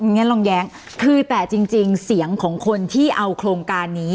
งั้นลองแย้งคือแต่จริงเสียงของคนที่เอาโครงการนี้